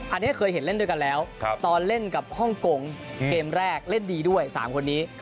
อันนี้เคยเห็นเล่นด้วยกันแล้วตอนเล่นกับฮ่องกงเกมแรกเล่นดีด้วย๓คนนี้